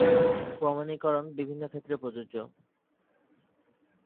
প্রমাণীকরণ বিভিন্ন ক্ষেত্রে প্রযোজ্য।